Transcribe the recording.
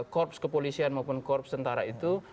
korps kepolisian maupun korps tentara itu